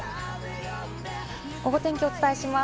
ゴゴ天気をお伝えします。